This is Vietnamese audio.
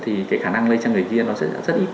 thì cái khả năng lây cho người kia nó sẽ rất ít